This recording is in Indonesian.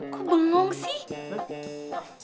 kok bengong sih